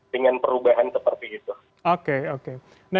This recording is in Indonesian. dengan perubahan seperti itu